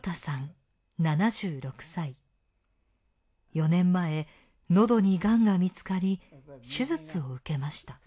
４年前喉にがんが見つかり手術を受けました。